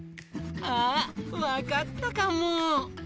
あっわかったかも。